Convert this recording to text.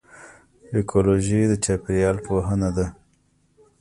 ایکیولوژي د چاپیریال پوهنه ده